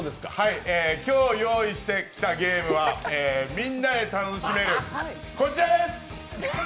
今日用意してきたゲームはみんなで楽しめるこちらです。